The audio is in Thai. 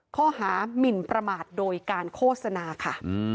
หมินประมาทโดยการโฆษณาค่ะ